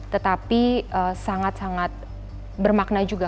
tetapi sangat sangat bermakna juga